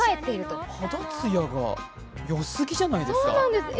肌つやがよすぎじゃないですか？